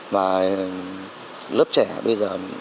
và lớp trẻ bây giờ